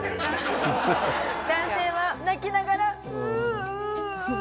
男性は泣きながらうう。